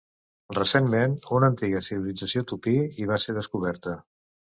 Recentment, una antiga civilització tupí hi va ser descoberta.